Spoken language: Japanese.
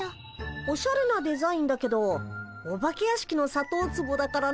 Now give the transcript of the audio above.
おしゃれなデザインだけどお化け屋敷のさとうツボだからね。